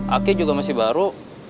aki juga masih baru